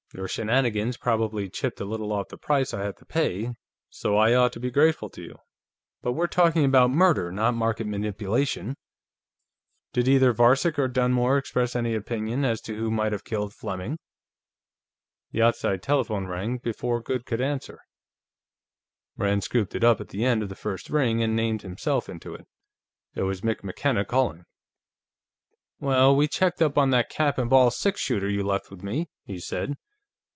Your shenanigans probably chipped a little off the price I had to pay, so I ought to be grateful to you. But we're talking about murder, not market manipulation. Did either Varcek or Dunmore express any opinion as to who might have killed Fleming?" The outside telephone rang before Goode could answer. Rand scooped it up at the end of the first ring and named himself into it. It was Mick McKenna calling. "Well, we checked up on that cap and ball six shooter you left with me," he said.